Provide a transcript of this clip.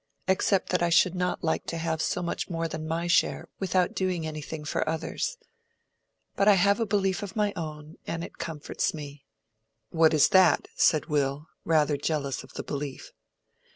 Except that I should like not to have so much more than my share without doing anything for others. But I have a belief of my own, and it comforts me." "What is that?" said Will, rather jealous of the belief.